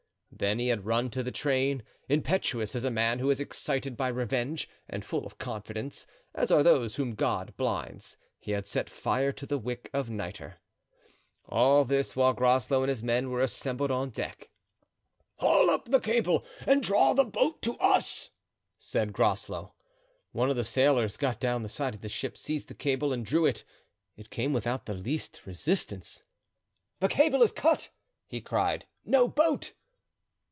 Then he had run to the train, impetuous as a man who is excited by revenge, and full of confidence, as are those whom God blinds, he had set fire to the wick of nitre. All this while Groslow and his men were assembled on deck. "Haul up the cable and draw the boat to us," said Groslow. One of the sailors got down the side of the ship, seized the cable, and drew it; it came without the least resistance. "The cable is cut!" he cried, "no boat!"